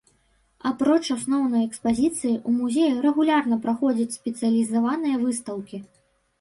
Апроч асноўнай экспазіцыі ў музеі рэгулярна праходзяць спецыялізаваныя выстаўкі.